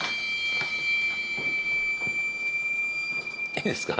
いいですか？